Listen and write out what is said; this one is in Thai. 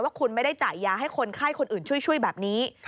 คุณไม่ได้จ่ายยาให้คนไข้คนอื่นช่วยแบบนี้